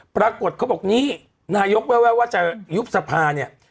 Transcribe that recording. ปรากฏเขาบอกนี่นายกแววว่าจะยุบสภาเนี่ย